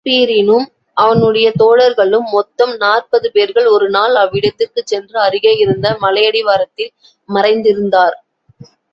தான்பீரீனும் அவனுடைய தோழர்களும் மொத்தம் நாற்பது பேர்கள் ஒரு நாள் அவ்விடதிற்குச் சென்று அருகே இருந்த மலையடிவாரத்தில் மறைந்திருந்தார்.